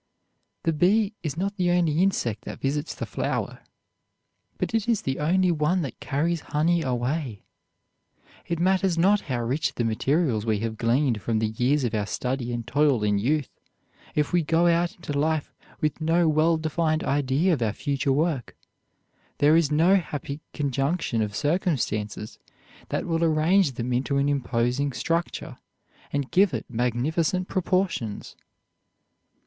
The bee is not the only insect that visits the flower, but it is the only one that carries honey away. It matters not how rich the materials we have gleaned from the years of our study and toil in youth, if we go out into life with no well defined idea of our future work, there is no happy conjunction of circumstances that will arrange them into an imposing structure, and give it magnificent proportions.